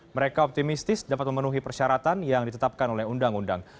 mereka optimistis dapat memenuhi persyaratan yang ditetapkan oleh undang undang